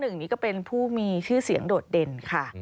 หนึ่งนี้ก็เป็นผู้มีชื่อเสียงโดดเด่นค่ะ